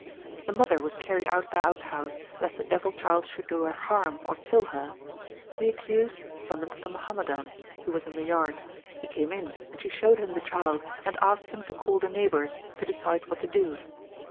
The mother was carried out of the outhouse, lest the devil child should do her harm, or kill her. The accused summoned a Muhammadan, who was in the yard. He came in, and she showed him the child, and asked him to call the neighbours, to decide what to do.